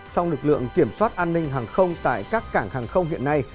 song lực lượng kiểm soát an ninh hàng không tại các cảng hàng không hiện nay